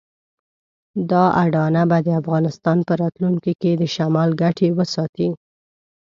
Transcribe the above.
دا اډانه به د افغانستان په راتلونکي کې د شمال ګټې وساتي.